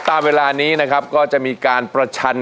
ตามเวลานี้นะครับก็จะมีการประชัน